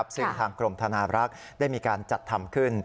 ซึ่งทางกรมธนาบรักษ์ได้มีการจัดทำขึ้น